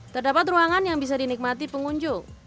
terdapat ruangan yang bisa dinikmati pengunjung